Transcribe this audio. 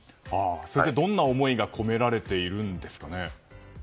それってどんな思いが込められているんですかね。